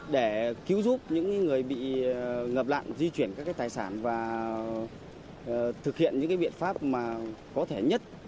để cứu giúp những người bị ngập lạm di chuyển các cái tài sản và thực hiện những cái biện pháp mà có thể nhất